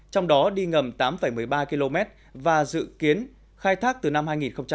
trong đó đi ngầm tám một mươi ba km và dự kiến khai thác từ năm hai nghìn hai mươi